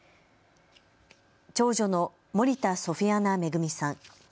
長女の森田ソフィアナ恵さん。